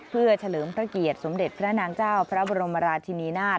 เพื่อเฉลิมพระเกียรติสมเด็จพระนางเจ้าพระบรมราชินีนาฏ